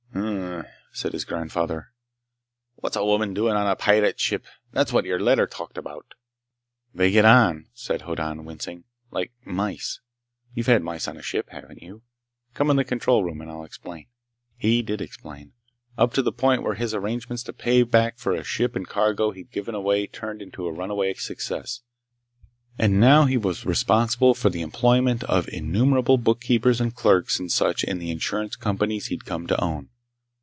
"Hm m m!" said his grandfather. "What's a woman doing on a pirate ship? That's what your letter talked about!" "They get on," said Hoddan, wincing, "like mice. You've had mice on a ship, haven't you? Come in the control room and I'll explain." He did explain, up to the point where his arrangements to pay back for a ship and cargo he'd given away turned into a runaway success, and now he was responsible for the employment of innumerable bookkeepers and clerks and such in the insurance companies he'd come to own.